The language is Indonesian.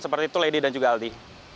seperti tuledi dan juga aldi